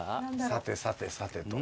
「さてさてさてと」